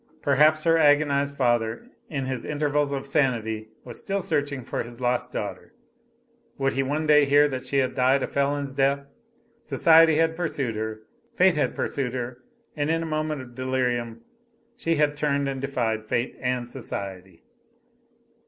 Perhaps her agonized father, in his intervals of sanity, was still searching for his lost daughter. Would he one day hear that she had died a felon's death? Society had pursued her, fate had pursued her, and in a moment of delirium she had turned and defied fate and society.